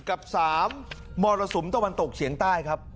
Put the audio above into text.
กับ๓มรสุมตะวันตกเฉียงใต้ครับ